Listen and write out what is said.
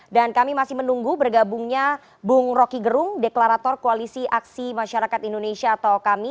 dan kami masih menunggu bergabungnya bung rokigerung deklarator koalisi aksi masyarakat indonesia atau kami